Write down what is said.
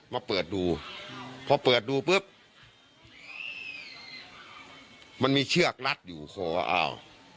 มาเปิดดูพอเปิดดูปุ๊บมันมีเชือกรัดอยู่คออ้าว